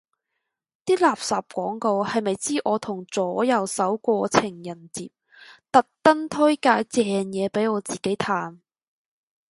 啲垃圾廣告係咪知我同左右手過情人節，特登推介正嘢俾我自己嘆